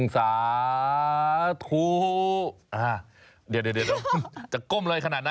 สวัสดีครับสวัสดีครับ